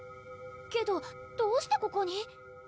けどどうしてここに？